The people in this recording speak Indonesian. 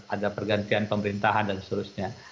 ada pergantian pemerintahan dan seterusnya